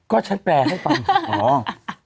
ก็ฉันแปลให้ฟัง